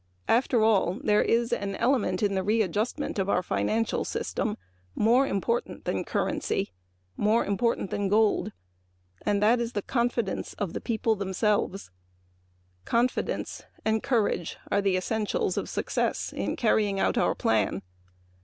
After all, there is an element in the readjustment of our financial system more important than currency, more important than gold, and that is the confidence of the people. Confidence and courage are the essentials of success in carrying out our plan.